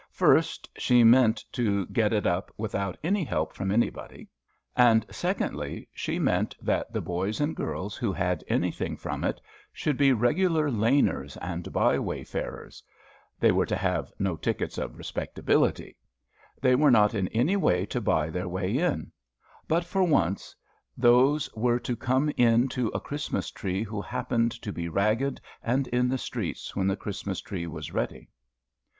First, she meant to get it up without any help from anybody. And, secondly, she meant that the boys and girls who had anything from it should be regular laners and by way farers, they were to have no tickets of respectability, they were not in any way to buy their way in; but, for this once, those were to come in to a Christmas tree who happened to be ragged and in the streets when the Christmas tree was ready.